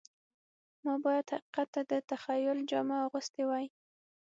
ما باید حقیقت ته د تخیل جامه اغوستې وای